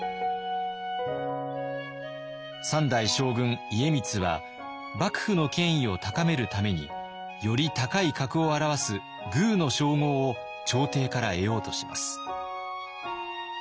三代将軍家光は幕府の権威を高めるためにより高い格を表す「宮」の称号を朝廷から得ようとします。